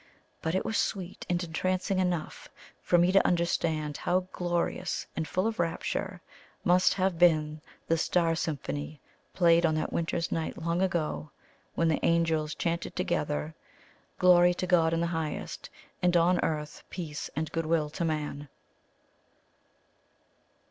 But it was sweet and entrancing enough for me to understand how glorious and full of rapture must have been the star symphony played on that winter's night long ago, when the angels chanted together, "Glory to God in the highest, and on earth peace and good will to Man!"